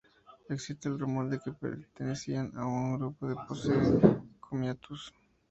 Existe el rumor de que pertenecían a un grupo de Posse Comitatus.